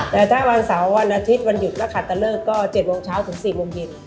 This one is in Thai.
แต่ถ้าวันเสาร์วันอาทิตย์วันหยุดแล้วขัดตะเลิกก็๗โมงเช้าถึง๔โมงเย็น